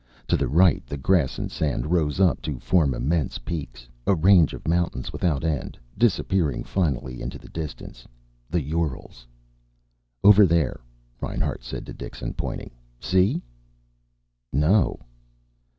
To the right the grass and sand rose up to form immense peaks, a range of mountains without end, disappearing finally into the distance. The Urals. "Over there," Reinhart said to Dixon, pointing. "See?" "No."